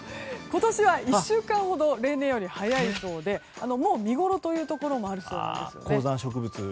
今年は１週間ほど例年より早いそうでもう、見ごろのところもあるそうです。